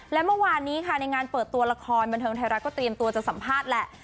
และเมื่อวานนี้ค่ะในงานเปิดตัวละครบันเทิงไทยรัฐก็เตรียมตัวจะสัมภาษณ์แหละ